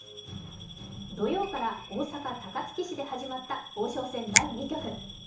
土曜から大阪・高槻市で始まった王将戦第２局。